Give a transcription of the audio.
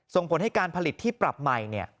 ส่งผลให้การผลิตที่ปรับใหม่